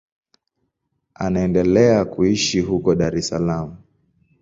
Anaendelea kuishi huko Dar es Salaam.